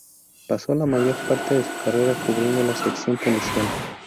Pasó la mayor parte de su carrera cubriendo la sección policial.